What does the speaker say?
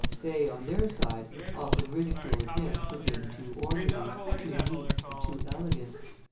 They, on their side, often ridiculed him for being too orderly, too neat, and too elegant.